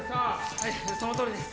はいその通りです。